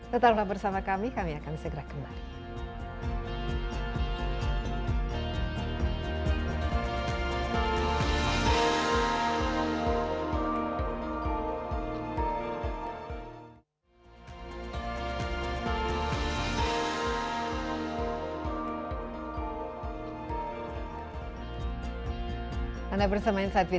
tetap bersama kami kami akan segera kembali